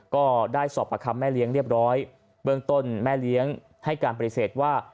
ก็ได้สอบประคำแม่เลี้ยงเรียบร้อยเบื้องต้นแม่เลี้ยงให้การปฏิเสธว่า